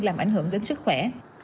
làm ảnh hưởng đến sức khỏe